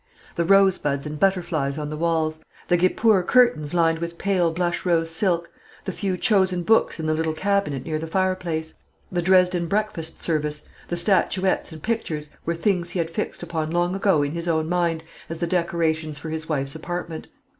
The rosebuds and butterflies on the walls, the guipure curtains lined with pale blush rose silk, the few chosen books in the little cabinet near the fireplace, the Dresden breakfast service, the statuettes and pictures, were things he had fixed upon long ago in his own mind as the decorations for his wife's apartment.